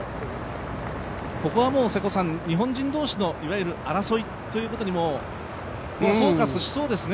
ここは、日本人同士のいわゆる争いということにフォーカスしそうですね。